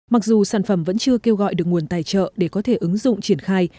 mặc dù sản phẩm vẫn chưa kêu gọi được nguồn tài trợ để có thể ứng dụng triển khai